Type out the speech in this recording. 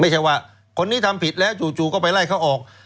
ไม่ใช่ว่าคนนี้ทำผิดแล้วจู่ก็ไปไล่เขาออก